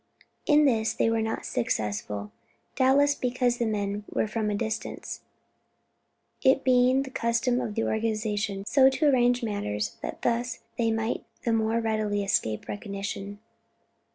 In this they were not successful; doubtless because the men were from a distance, it being the custom for the organization so to arrange matters that thus they might the more readily escape recognition.